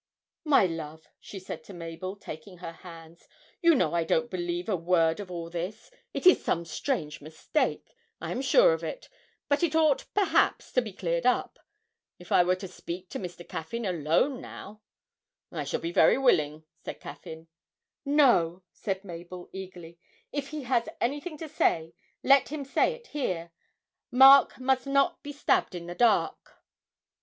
'My love,' she said to Mabel, taking her hands, 'you know I don't believe a word of all this it is some strange mistake, I am sure of it, but it ought, perhaps, to be cleared up. If I were to speak to Mr. Caffyn alone now!' 'I shall be very willing,' said Caffyn. 'No!' said Mabel, eagerly, 'if he has anything to say, let him say it here Mark must not be stabbed in the dark!'